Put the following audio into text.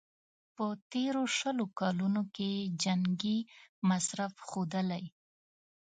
په تېرو شلو کلونو کې یې جنګي مصرف ښودلی.